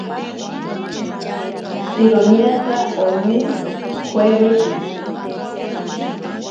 Iroñaaka oni joeweshi.